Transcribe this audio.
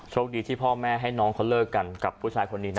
คดีที่พ่อแม่ให้น้องเขาเลิกกันกับผู้ชายคนนี้นะ